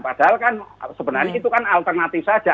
padahal kan sebenarnya itu kan alternatif saja